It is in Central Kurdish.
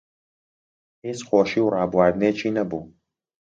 هیچ خۆشی و ڕابواردنێکی نەبوو